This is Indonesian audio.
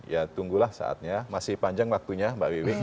ya tunggulah saatnya masih panjang waktunya mbak wiwi